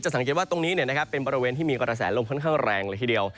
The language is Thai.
สังเกตว่าตรงนี้เป็นบริเวณที่มีกระแสลมค่อนข้างแรงเลยทีเดียว